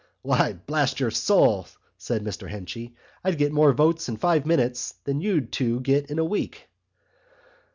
"Why, blast your soul," said Mr Henchy, "I'd get more votes in five minutes than you two'd get in a week."